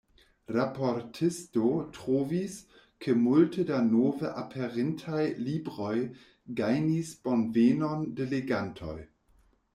Raportisto trovis, ke multe da nove aperintaj libroj gajnis bonvenon de legantoj.